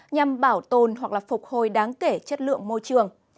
nhằm bảo tồn hoặc là phục hồi đáng kể chất lượng môi trường